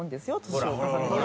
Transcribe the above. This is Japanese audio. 年を重ねても。